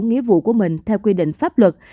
nghĩa vụ của mình theo quy định pháp luật